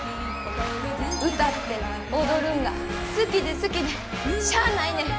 歌って踊るんが好きで好きでしゃあないねん。